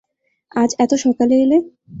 আজ এত সকালে এলে?